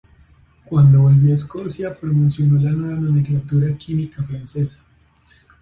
Cuando volvió a Escocia promocionó la nueva nomenclatura química francesa.